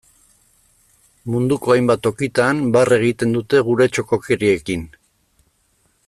Munduko hainbat tokitan, barre egiten dute gure txokokeriekin.